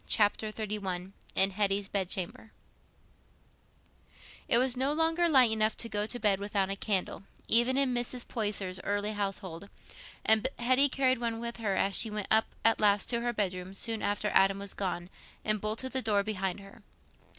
Chapter XXXI In Hetty's Bed Chamber It was no longer light enough to go to bed without a candle, even in Mrs. Poyser's early household, and Hetty carried one with her as she went up at last to her bedroom soon after Adam was gone, and bolted the door behind her.